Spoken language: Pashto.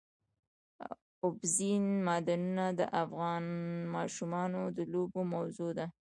اوبزین معدنونه د افغان ماشومانو د لوبو موضوع ده.